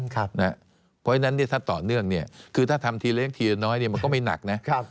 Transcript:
เพราะฉะนั้นเนี่ยถ้าต่อเนื่องเนี่ยคือถ้าทำทีเล็กทีน้อยเนี่ยมันก็ไม่หนักนะครับ